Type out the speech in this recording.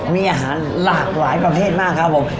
มีอาหารหลากหลายประเภทมากครับผม